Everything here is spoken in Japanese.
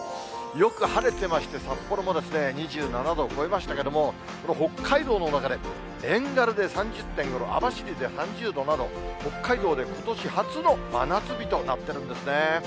よく晴れてまして、札幌も２７度を超えましたけれども、この北海道の中で遠軽で３０．５度、網走で３０度など、北海道でことし初の真夏日となってるんですね。